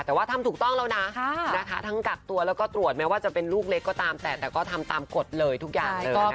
แต่ว่าทำถูกต้องแล้วนะทั้งกักตัวแล้วก็ตรวจแม้ว่าจะเป็นลูกเล็กก็ตามแต่แต่ก็ทำตามกฎเลยทุกอย่างเลย